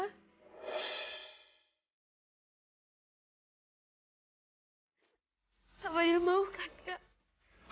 kak fadlil mau kan kak